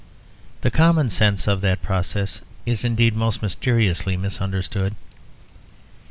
The common sense of that process is indeed most mysteriously misunderstood.